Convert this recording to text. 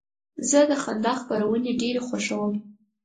زه د خندا خپرونې ډېرې خوښوم.